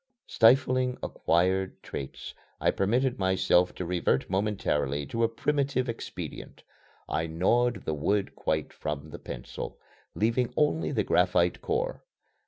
Stifling acquired traits, I permitted myself to revert momentarily to a primitive expedient. I gnawed the wood quite from the pencil, leaving only the graphite core.